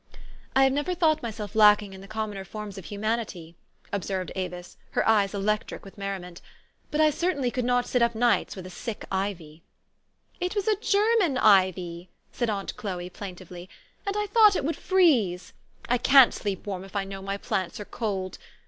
"I hav^e never thought myself lacking in the com moner forms of humanity^" observed Avis, her eyes electric with merriment ; 4 ' but I certainly could not sit up nights with a sick ivy." THE STORY OF AVIS. 91 "It was a German ivy," said aunt Chloe plain tively; "and I thought it would freeze. I can't sleep warm if I know my plants are cold.